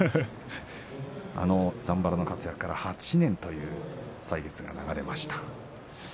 あのざんばらの活躍から８年という歳月が流れました。